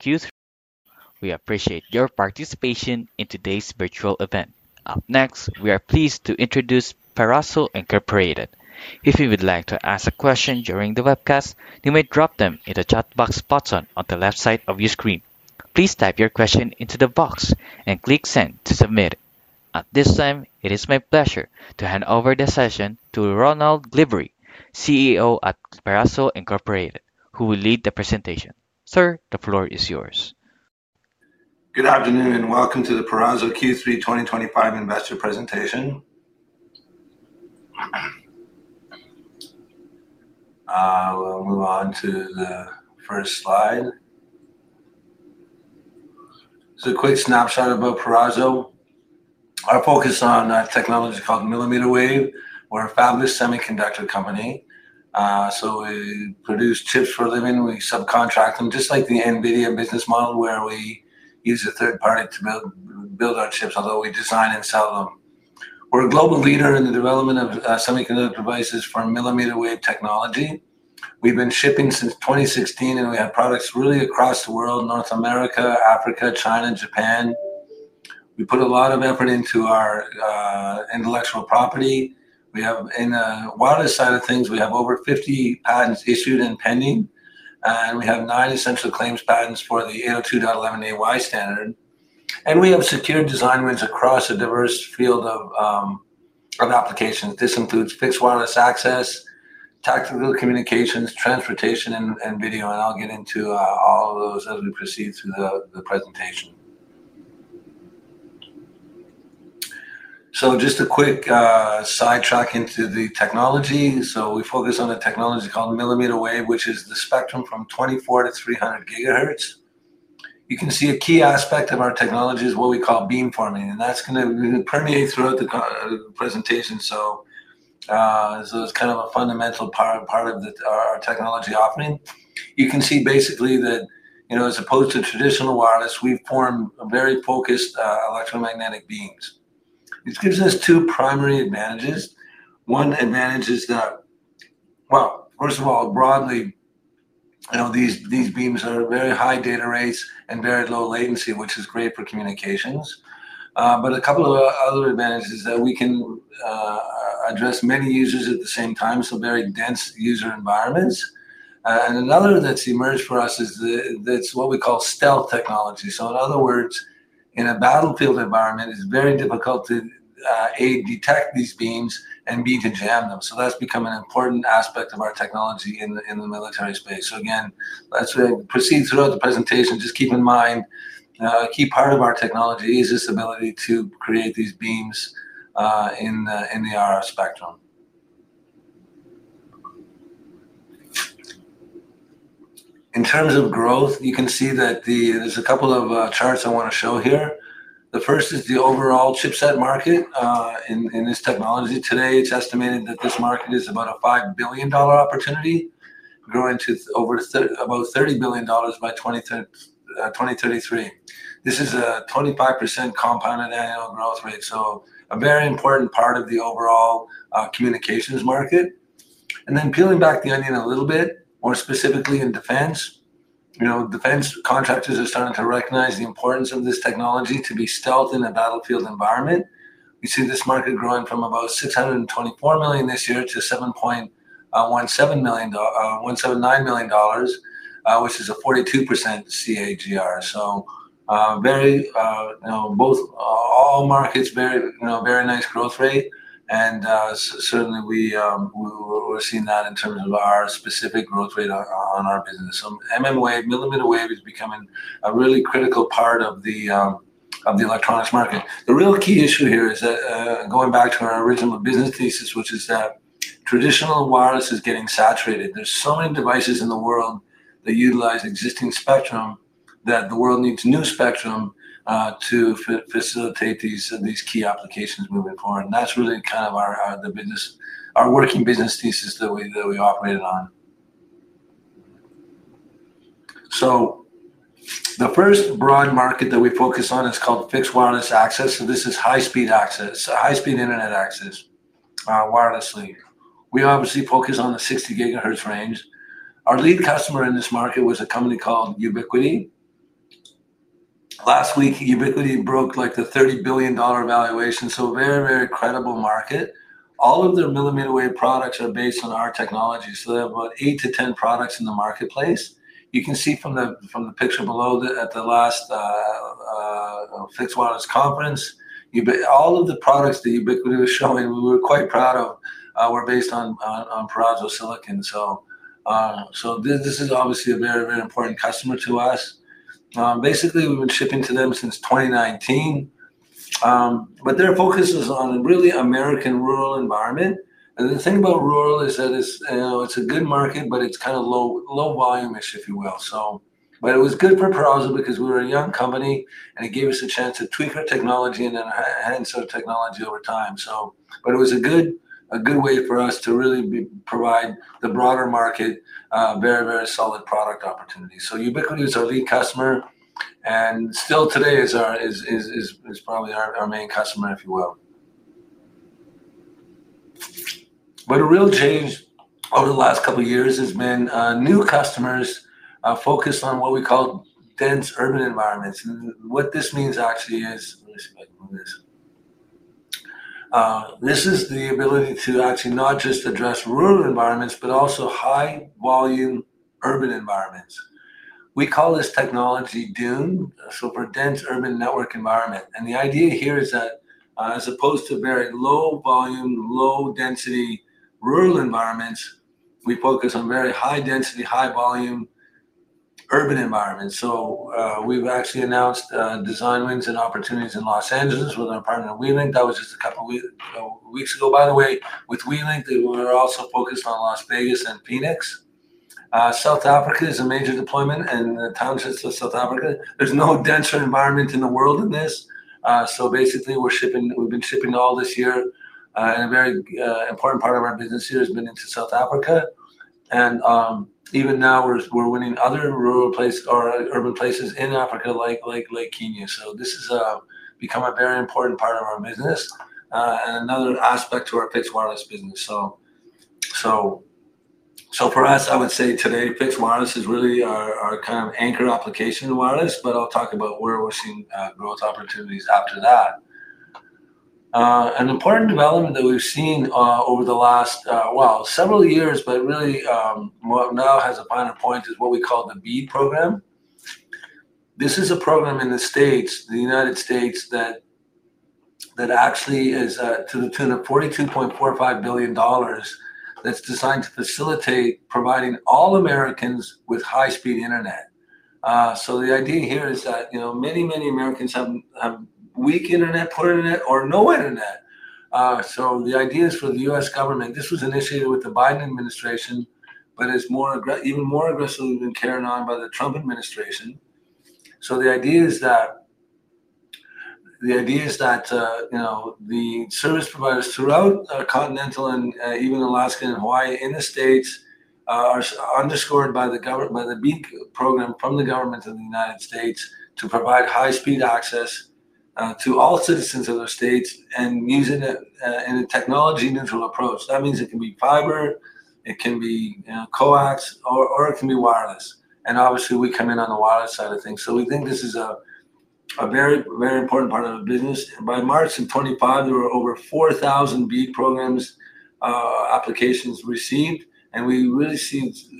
Dear student, we appreciate your participation in today's virtual event. Up next, we are pleased to introduce Peraso Inc. If you would like to ask a question during the webcast, you may drop them in the chat box button on the left side of your screen. Please type your question into the box and click "Send" to submit it. At this time, it is my pleasure to hand over the session to Ronald Glibbery, CEO at Peraso Inc., who will lead the presentation. Sir, the floor is yours. Good afternoon and welcome to the Peraso Q3 2025 investor presentation. We'll move on to the first slide. Just a quick snapshot about Peraso. Our focus is on technology called mmWave. We're a fabless semiconductor company, so we produce chips for a living. We subcontract them, just like the NVIDIA business model, where we use a third party to build our chips, although we design and sell them. We're a global leader in the development of semiconductor devices for mmWave technology. We've been shipping since 2016, and we have products really across the world: North America, Africa, China, and Japan. We put a lot of effort into our intellectual property. We have, in the wireless side of things, over 50 patents issued and pending, and we have nine essential claims patents for the 802.11ay standard. We have secured design wins across a diverse field of applications. This includes fixed wireless access, tactical communications, transportation, and video. I'll get into all of those as we proceed through the presentation. Just a quick sidetrack into the technology. We focus on a technology called mmWave, which is the spectrum from 24 to 300 gigahertz. You can see a key aspect of our technology is what we call beamforming, and that's going to permeate throughout the presentation. It's kind of a fundamental part of our technology offering. You can see basically that, as opposed to traditional wireless, we form very focused electromagnetic beams. This gives us two primary advantages. One advantage is that, first of all, broadly, these beams are very high data rates and very low latency, which is great for communications. A couple of other advantages are that we can address many users at the same time, so very dense user environments. Another that's emerged for us is what we call stealth technology. In other words, in a battlefield environment, it's very difficult to, A, detect these beams and, B, to jam them. That's become an important aspect of our technology in the military space. As we proceed throughout the presentation, just keep in mind a key part of our technology is this ability to create these beams in the RF spectrum. In terms of growth, you can see that there's a couple of charts I want to show here. The first is the overall chipset market in this technology. Today, it's estimated that this market is about a $5 billion opportunity, growing to over about $30 billion by 2033. This is a 25% compounded annual growth rate. A very important part of the overall communications market. Peeling back the onion a little bit, more specifically in defense, defense contractors are starting to recognize the importance of this technology to be stealth in a battlefield environment. We see this market growing from about $624 million this year to $7.179 billion, which is a 42% CAGR. All markets, very nice growth rate. Certainly, we're seeing that in terms of our specific growth rate on our business. MMWave, MillimeterWave, is becoming a really critical part of the electronics market. The real key issue here is that, going back to our original business thesis, which is that traditional wireless is getting saturated. There's so many devices in the world that utilize existing spectrum that the world needs new spectrum to facilitate these key applications moving forward. That's really kind of our business, our working business thesis that we operate on. The first broad market that we focus on is called fixed wireless access. This is high-speed access, high-speed internet access wirelessly. We obviously focus on the 60 gigahertz range. Our lead customer in this market was a company called Ubiquiti. Last week, Ubiquiti broke like the $30 billion valuation. A very, very credible market. All of their MillimeterWave products are based on our technology. They have about eight to ten products in the marketplace. You can see from the picture below that at the last Fixed Wireless Conference, all of the products that Ubiquiti was showing, we were quite proud of, were based on Peraso silicon. This is obviously a very, very important customer to us. Basically, we've been shipping to them since 2019. Their focus is on a really American rural environment. The thing about rural is that it's a good market, but it's kind of low volume-ish, if you will. It was good for Peraso because we were a young company and it gave us a chance to tweak our technology and then enhance our technology over time. It was a good way for us to really provide the broader market very, very solid product opportunities. Ubiquiti is our lead customer and still today is probably our main customer, if you will. A real change over the last couple of years has been new customers focused on what we call dense urban environments. What this means actually is, let me see if I can move this. This is the ability to actually not just address rural environments, but also high volume urban environments. We call this technology DUNE, for Dense Urban Network Environment. The idea here is that as opposed to very low volume, low density rural environments, we focus on very high density, high volume urban environments. We've actually announced design wins and opportunities in Los Angeles with our partner WeLink. That was just a couple of weeks ago. By the way, with WeLink, we're also focused on Las Vegas and Phoenix. South Africa is a major deployment and the townships of South Africa. There's no denser environment in the world than this. We've been shipping all this year, and a very important part of our business here has been into South Africa. Even now, we're winning other rural places or urban places in Africa like Kenya. This has become a very important part of our business and another aspect to our fixed wireless business. For us, I would say today, fixed wireless is really our kind of anchor application of wireless, but I'll talk about where we're seeing growth opportunities after that. An important development that we've seen over the last, well, several years, but really now has a final point is what we call the BEAD program. This is a program in the U.S., the United States, that actually is to the tune of $42.45 billion that's designed to facilitate providing all Americans with high-speed internet. The idea here is that many, many Americans have weak internet, poor internet, or no internet. The idea is for the U.S. government, this was initiated with the Biden administration, but it's even more aggressively been carried on by the Trump administration. The idea is that the service providers throughout continental and even Alaska and Hawaii in the States are underscored by the BEAD program from the government of the United States to provide high-speed access to all citizens of those states and using it in a technology-neutral approach. That means it can be fiber, it can be coax or it can be wireless. Obviously, we come in on the wireless side of things. We think this is a very, very important part of the business. By March of 2025, there were over 4,000 BEAD program applications received, and we really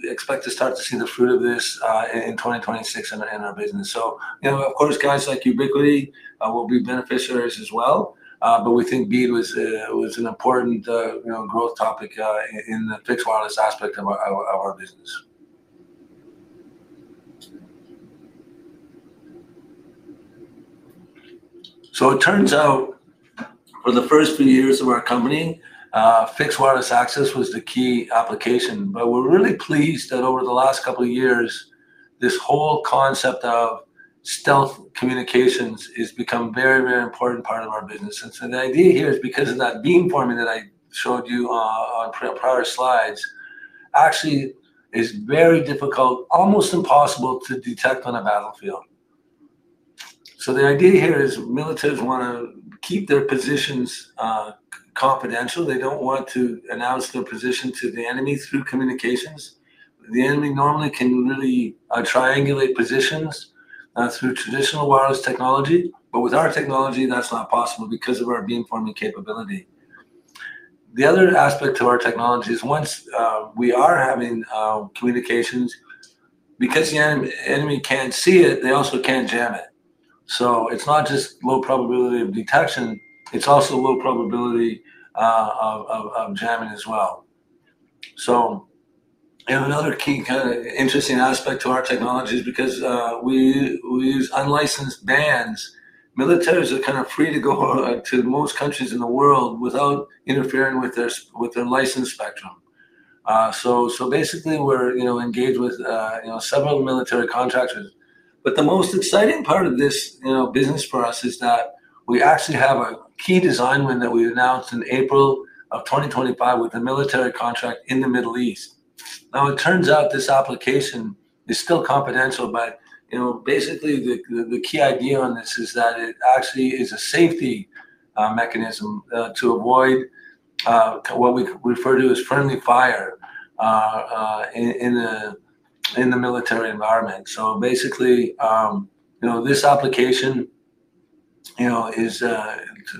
expect to start to see the fruit of this in 2026 in our business. Of course, guys like Ubiquiti will be beneficiaries as well, but we think BEAD was an important growth topic in the fixed wireless aspect of our business. It turns out for the first few years of our company, fixed wireless access was the key application, but we're really pleased that over the last couple of years, this whole concept of stealth communications has become a very, very important part of our business. The idea here is because of that beamforming that I showed you on prior slides, actually, it's very difficult, almost impossible to detect on a battlefield. Militaries want to keep their positions confidential. They don't want to announce their position to the enemy through communications. The enemy normally can really triangulate positions through traditional wireless technology, but with our technology, that's not possible because of our beamforming capability. The other aspect of our technology is once we are having communications, because the enemy can't see it, they also can't jam it. It's not just low probability of detection, it's also low probability of jamming as well. Another key kind of interesting aspect to our technology is because we use unlicensed bands, militaries are kind of free to go to most countries in the world without interfering with their licensed spectrum. Basically, we're engaged with several military contractors. The most exciting part of this business for us is that we actually have a key design win that we announced in April of 2025 with a military contract in the Middle East. It turns out this application is still confidential, but basically, the key idea on this is that it actually is a safety mechanism to avoid what we refer to as friendly fire in the military environment. This application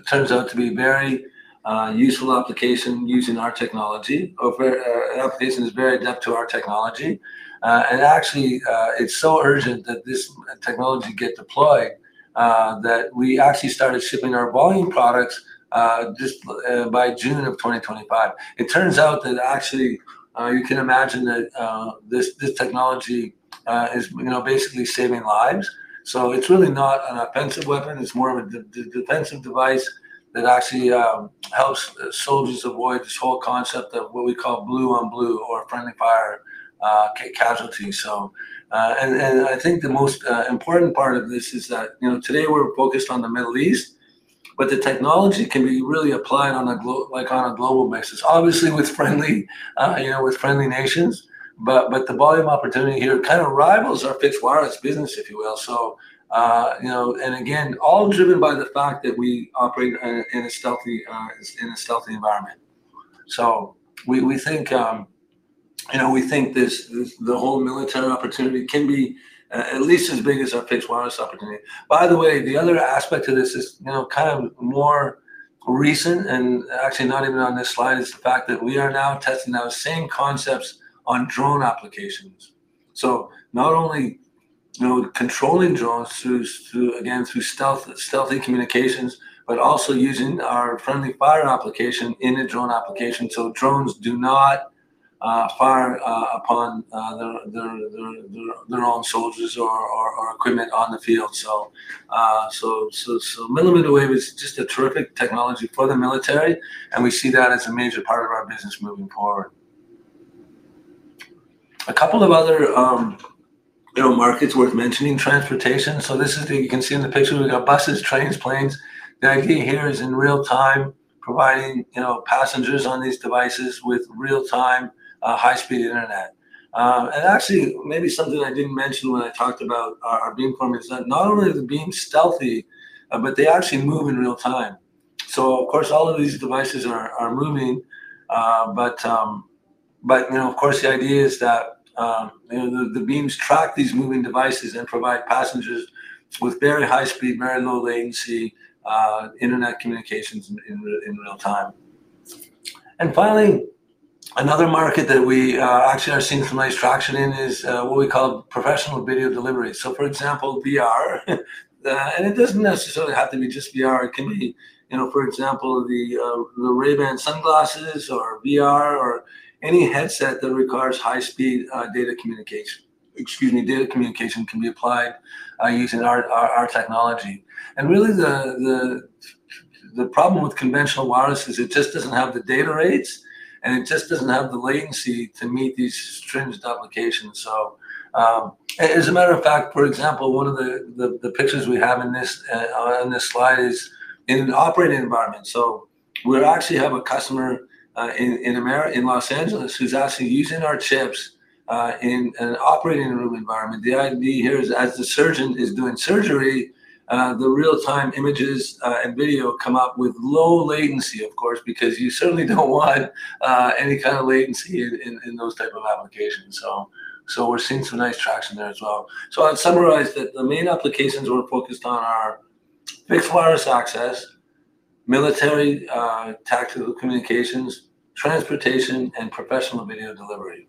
turns out to be a very useful application using our technology. Our application is very in-depth to our technology. Actually, it's so urgent that this technology gets deployed that we actually started shipping our volume products just by June of 2025. It turns out that actually, you can imagine that this technology is basically saving lives. It's really not an offensive weapon. It's more of a defensive device that actually helps soldiers avoid this whole concept of what we call blue on blue or friendly fire casualties. I think the most important part of this is that, you know, today we're focused on the Middle East, but the technology can be really applied on a global basis. Obviously, with friendly nations, but the volume opportunity here kind of rivals our fixed wireless business, if you will. All driven by the fact that we operate in a stealthy environment. We think the whole military opportunity can be at least as big as our fixed wireless opportunity. By the way, the other aspect of this is, you know, kind of more recent and actually not even on this slide is the fact that we are now testing our same concepts on drone applications. Not only, you know, controlling drones through, again, through stealthy communications, but also using our friendly fire application in a drone application so drones do not fire upon their own soldiers or equipment on the field. MillimeterWave is just a terrific technology for the military, and we see that as a major part of our business moving forward. A couple of other markets worth mentioning: transportation. You can see in the picture, we've got buses, trains, planes. The idea here is in real time, providing, you know, passengers on these devices with real-time high-speed internet. Actually, maybe something I didn't mention when I talked about our beamforming is that not only are the beams stealthy, but they actually move in real time. Of course, all of these devices are moving, but, you know, the idea is that, you know, the beams track these moving devices and provide passengers with very high speed, very low latency internet communications in real time. Finally, another market that we actually are seeing some nice traction in is what we call professional video delivery. For example, VR. It doesn't necessarily have to be just VR. It can be, you know, for example, the Ray-Ban sunglasses or VR or any headset that requires high-speed data communication. Excuse me, data communication can be applied using our technology. The problem with conventional wireless is it just doesn't have the data rates and it just doesn't have the latency to meet these stringent applications. As a matter of fact, for example, one of the pictures we have in this slide is in an operating environment. We actually have a customer in Los Angeles who's using our chips in an operating room environment. The idea here is, as the surgeon is doing surgery, the real-time images and video come up with low latency, of course, because you certainly don't want any kind of latency in those types of applications. We're seeing some nice traction there as well. I'd summarize that the main applications we're focused on are fixed wireless access, military tactical communications, transportation, and professional video delivery.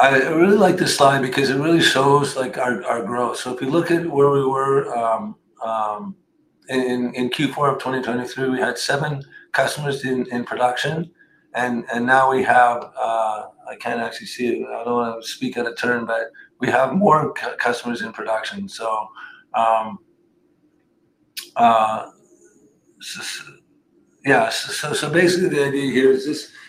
I really like this slide because it really shows our growth. If you look at where we were in Q4 of 2023, we had seven customers in production, and now we have, I can't actually see it. I don't want to speak out of turn, but we have more customers in production. Basically, the idea here is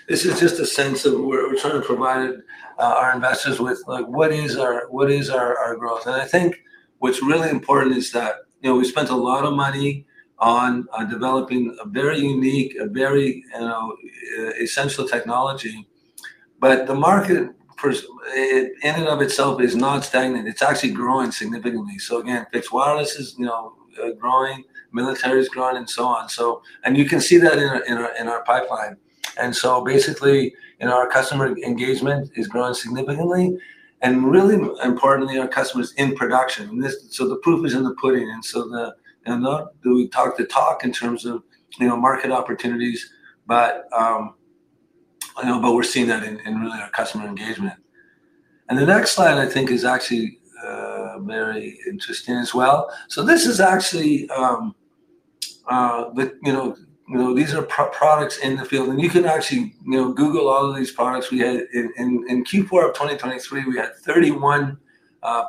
this is just a sense of where we're trying to provide our investors with what is our growth. I think what's really important is that we spent a lot of money on developing a very unique, a very essential technology, but the market for it in and of itself is not stagnant. It's actually growing significantly. Fixed wireless is growing, military is growing, and so on. You can see that in our pipeline. Our customer engagement is growing significantly. Really importantly, our customers in production. The proof is in the pudding. We talk the talk in terms of market opportunities, but we're seeing that in really our customer engagement. The next slide I think is actually very interesting as well. These are products in the field. You can actually Google all of these products. We had in Q4 of 2023, we had 31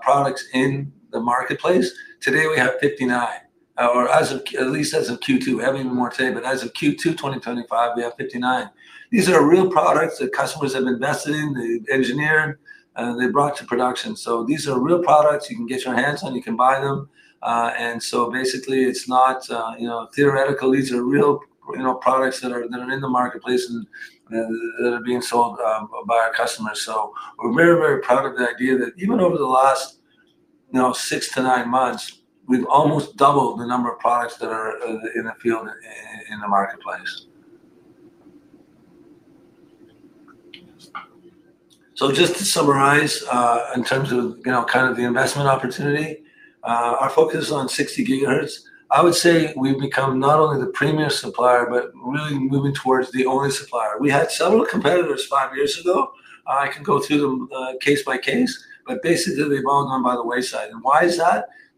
products in the marketplace. Today we have 59, or at least as of Q2. We have even more today, but as of Q2 2025, we have 59. These are real products that customers have invested in, they engineered, and they brought to production. These are real products you can get your hands on, you can buy them. It's not theoretical. These are real products that are in the marketplace and that are being sold by our customers. We're very, very proud of the idea that even over the last six to nine months, we've almost doubled the number of products that are in the field and in the marketplace. To summarize, in terms of the investment opportunity, our focus is on 60 gigahertz. I would say we've become not only the premier supplier, but really moving towards the only supplier. We had several competitors five years ago. I can go through them case by case, but basically they've all gone by the wayside.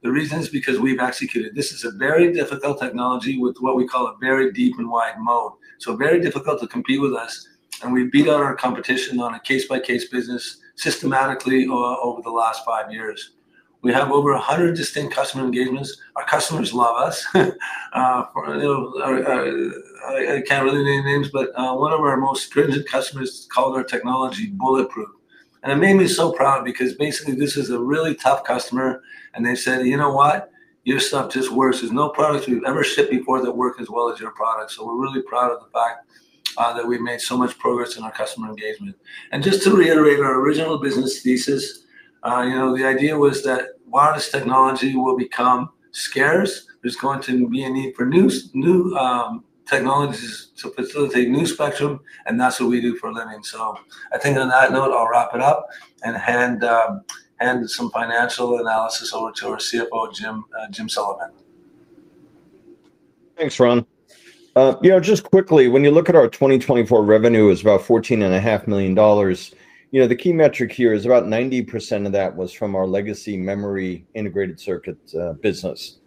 The reason is because we've executed. This is a very difficult technology with what we call a very deep and wide mode. It is very difficult to compete with us. We beat out our competition on a case-by-case basis systematically over the last five years. We have over 100 distinct customer engagements. Our customers love us. I can't really name names, but one of our most privileged customers called our technology bulletproof. It made me so proud because basically this is a really tough customer. They said, you know what? Your stuff just works. There's no product we've ever shipped before that works as well as your product. We are really proud of the fact that we've made so much progress in our customer engagement. To reiterate our original business thesis, the idea was that wireless technology will become scarce. There is going to be a need for new technologies to facilitate new spectrum, and that's what we do for a living. I think on that note, I'll wrap it up and hand some financial analysis over to our CFO, James Sullivan. Thanks, Ron. Just quickly, when you look at our 2024 revenue, it's about $14.5 million. The key metric here is about 90% of that was from our legacy memory integrated circuit business.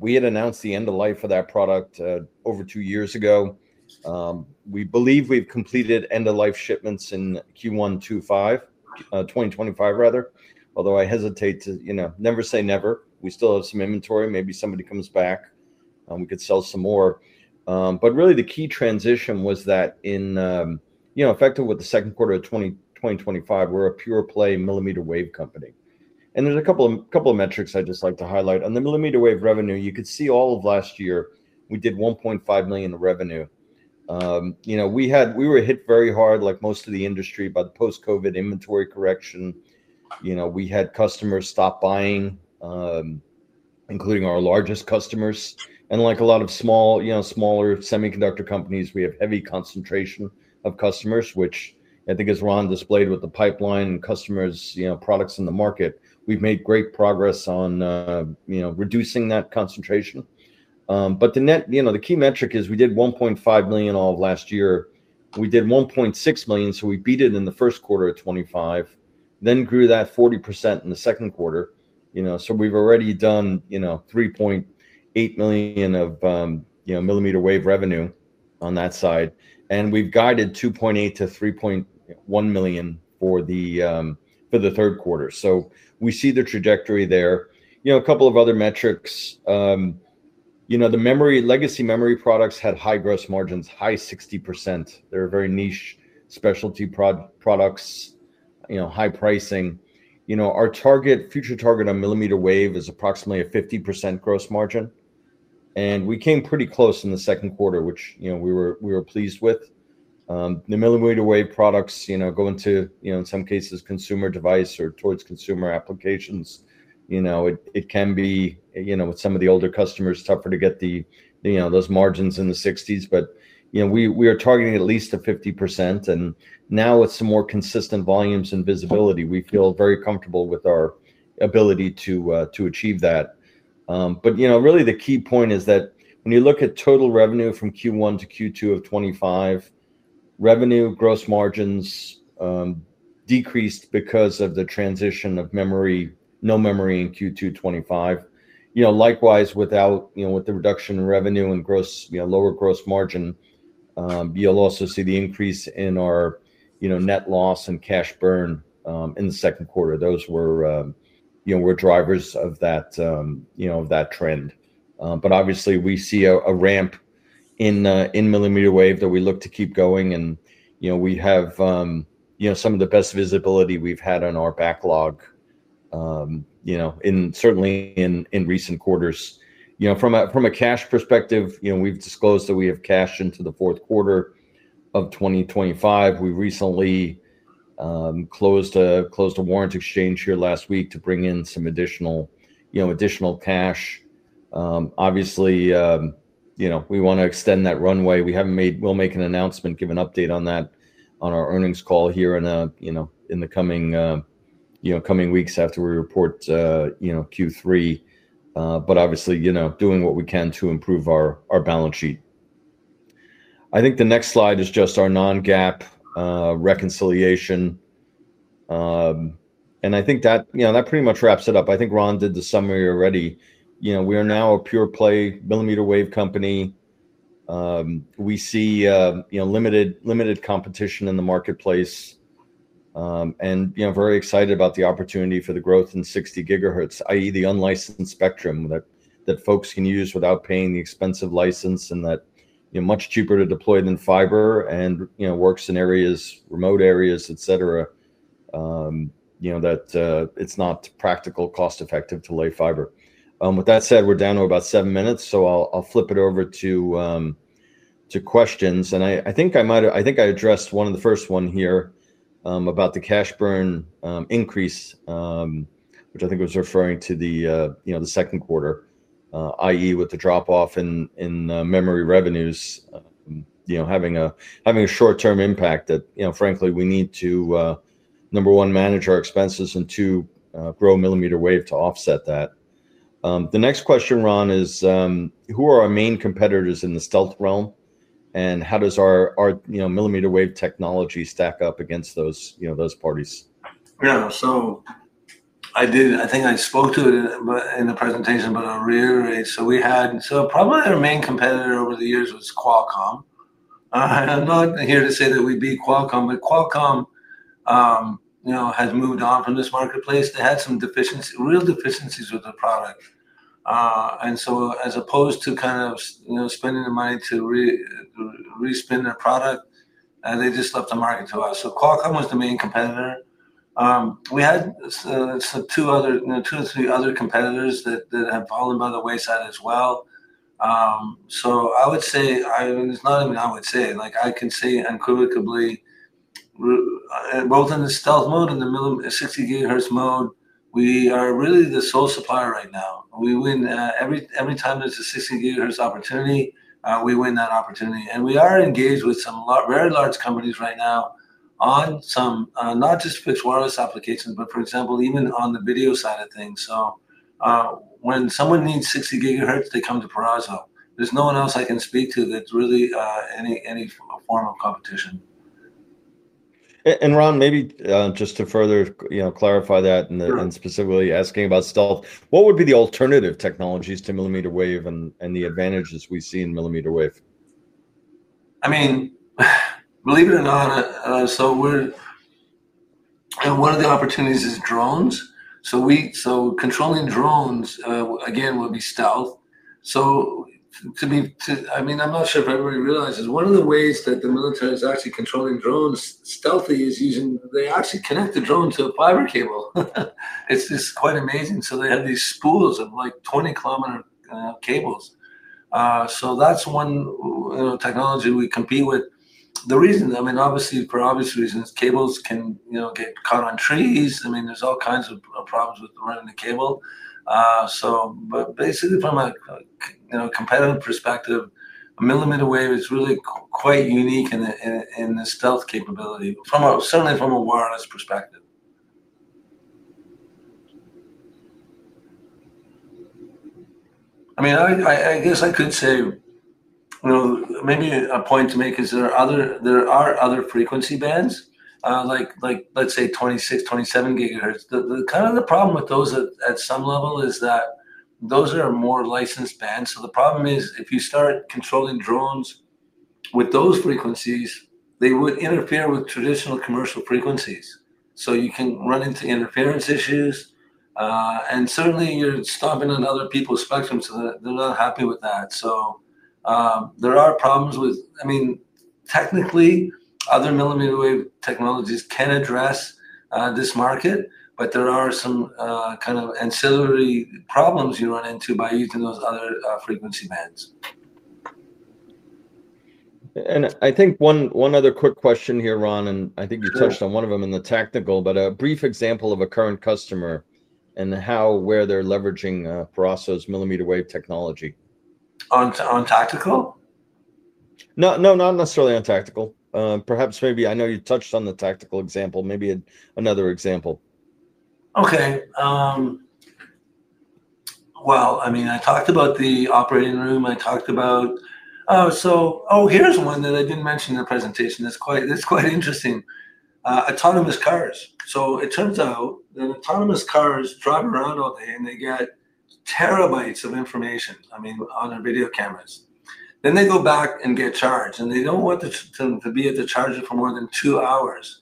We had announced the end-of-life for that product over two years ago. We believe we've completed end-of-life shipments in Q1 2025, although I hesitate to never say never. We still have some inventory. Maybe somebody comes back. We could sell some more. Really, the key transition was that, effective with the second quarter of 2025, we're a pure play mmWave company. There are a couple of metrics I'd just like to highlight. On the mmWave revenue, you could see all of last year, we did $1.5 million in revenue. We were hit very hard, like most of the industry, by the post-COVID inventory correction. We had customers stop buying, including our largest customers. Like a lot of smaller semiconductor companies, we have heavy concentration of customers, which I think, as Ron displayed with the pipeline and customers, products in the market, we've made great progress on reducing that concentration. The key metric is we did $1.5 million all of last year. We did $1.6 million, so we beat it in the first quarter of 2025, then grew that 40% in the second quarter. We've already done $3.8 million of mmWave revenue on that side. We've guided $2.8 to $3.1 million for the third quarter. We see the trajectory there. A couple of other metrics, the legacy memory products had high gross margins, high 60%. They're very niche specialty products, high pricing. Our target, future target on mmWave is approximately a 50% gross margin. We came pretty close in the second quarter, which we were pleased with. The mmWave products, going to, in some cases, consumer device or towards consumer applications, it can be, with some of the older customers, tougher to get those margins in the 60s. We are targeting at least a 50%. Now with some more consistent volumes and visibility, we feel very comfortable with our ability to achieve that. Really the key point is that when you look at total revenue from Q1 to Q2 of 2025, revenue gross margins decreased because of the transition of memory, no memory in Q2 2025. Likewise, with the reduction in revenue and lower gross margin, you'll also see the increase in our net loss and cash burn in the second quarter. Those were drivers of that trend. Obviously, we see a ramp in mmWave that we look to keep going. We have some of the best visibility we've had on our backlog, certainly in recent quarters. From a cash perspective, we've disclosed that we have cash into the fourth quarter of 2025. We recently closed a warrant exchange here last week to bring in some additional cash. Obviously, we want to extend that runway. We haven't made, we'll make an announcement, give an update on that on our earnings call here in the coming weeks after we report Q3. Obviously, doing what we can to improve our balance sheet. I think the next slide is just our non-GAAP reconciliation. I think that pretty much wraps it up. I think Ron did the summary already. We are now a pure play mmWave company. We see limited competition in the marketplace and are very excited about the opportunity for the growth in 60 gigahertz, i.e., the unlicensed spectrum that folks can use without paying the expensive license and that is much cheaper to deploy than fiber in work scenarios, remote areas, et cetera, where it's not practical or cost-effective to lay fiber. With that said, we're down to about seven minutes. I'll flip it over to questions. I think I addressed one of the first ones here about the cash burn increase, which I think was referring to the second quarter, i.e., with the drop-off in memory revenues, having a short-term impact that, frankly, we need to, number one, manage our expenses and, two, grow mmWave to offset that. The next question, Ron, is who are our main competitors in the stealth realm and how does our mmWave technology stack up against those parties? Yeah, I think I spoke to it in the presentation, but I'll reiterate. Probably our main competitor over the years was Qualcomm. I'm not here to say that we beat Qualcomm, but Qualcomm has moved on from this marketplace. They had some real deficiencies with the product. As opposed to spending the money to re-spin their product, they just left the market to us. Qualcomm was the main competitor. We had two or three other competitors that have fallen by the wayside as well. I would say, it's not even I would say, like I can say unequivocally, both in the stealth mode and the 60 gigahertz mode, we are really the sole supplier right now. We win every time there's a 60 gigahertz opportunity, we win that opportunity. We are engaged with some very large companies right now on some, not just fixed wireless applications, but for example, even on the video side of things. When someone needs 60 gigahertz, they come to Peraso. There's no one else I can speak to that's really in any form of competition. Ron, maybe just to further clarify that and specifically asking about stealth, what would be the alternative technologies to mmWave and the advantages we see in mmWave? I mean, believe it or not, one of the opportunities is drones. Controlling drones, again, would be stealth. I'm not sure if everybody realizes, one of the ways that the military is actually controlling drones stealthy is using, they actually connect the drone to a fiber cable. It's just quite amazing. They have these spools of like 20 kilometer cables. That's one technology we compete with. Obviously, for obvious reasons, cables can get caught on trees. There are all kinds of problems with running the cable. Basically, from a competitive perspective, mmWave is really quite unique in the stealth capability, certainly from a wireless perspective. I guess I could say, maybe a point to make is there are other frequency bands, like, let's say, 26, 27 gigahertz. The problem with those at some level is that those are more licensed bands. The problem is if you start controlling drones with those frequencies, they would interfere with traditional commercial frequencies. You can run into interference issues. Certainly, you're stopping other people's spectrums, so they're not happy with that. There are problems with, technically, other mmWave technologies can address this market, but there are some kind of ancillary problems you run into by using those other frequency bands. I think one other quick question here, Ron, and I think you touched on one of them in the tactical, but a brief example of a current customer and how, where they're leveraging Peraso's mmWave technology. On tactical? No, not necessarily on tactical. Perhaps, I know you touched on the tactical example, maybe another example. I talked about the operating room. I talked about, oh, here's one that I didn't mention in the presentation. It's quite interesting. Autonomous cars. It turns out that autonomous cars drive around all day and they get terabytes of information, I mean, on our video cameras. They go back and get charged, and they don't want to be at the charger for more than two hours.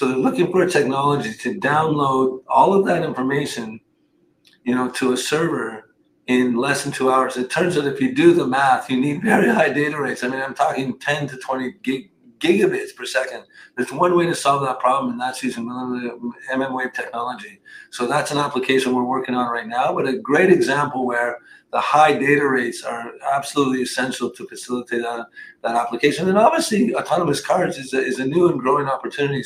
They're looking for a technology to download all of that information to a server in less than two hours. It turns out if you do the math, you need very high data rates. I'm talking 10 to 20 gigabits per second. There's one way to solve that problem, and that's using mmWave technology. That's an application we're working on right now, a great example where the high data rates are absolutely essential to facilitate that application. Obviously, autonomous cars is a new and growing opportunity.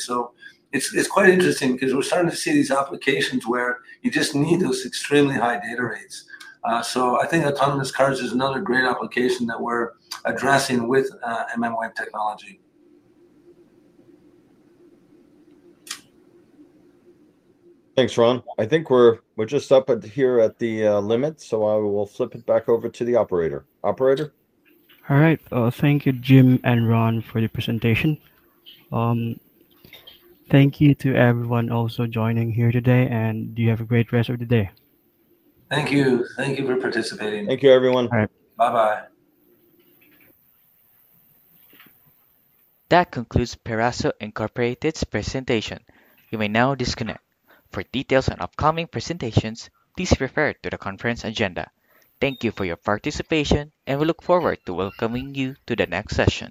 It's quite interesting because we're starting to see these applications where you just need those extremely high data rates. I think autonomous cars is another great application that we're addressing with mmWave technology. Thanks, Ron. I think we're just up here at the limit, so I will flip it back over to the operator. Operator? All right. Thank you, Jim and Ron, for the presentation. Thank you to everyone also joining here today, and you have a great rest of the day. Thank you. Thank you for participating. Thank you, everyone. Bye-bye. That concludes Peraso Inc.'s presentation. You may now disconnect. For details on upcoming presentations, please refer to the conference agenda. Thank you for your participation, and we look forward to welcoming you to the next session.